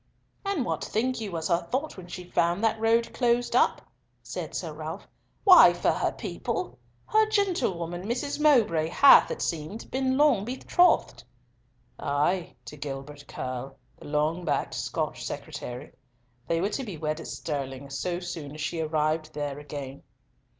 "And what think you was her thought when she found that road closed up?" said Sir Ralf. "Why, for her people! Her gentlewoman, Mrs. Mowbray, hath, it seems, been long betrothed." "Ay, to Gilbert Curll, the long backed Scotch Secretary. They were to be wed at Stirling so soon as she arrived there again."